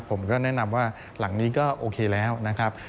ผมก็แนะนำว่าหลังนี้ก็โอเคแล้วนะครับ